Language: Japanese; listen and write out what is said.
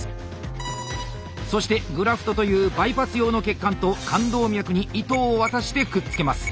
そしてグラフトというバイパス用の血管と冠動脈に糸を渡してくっつけます。